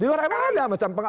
di luar ma ada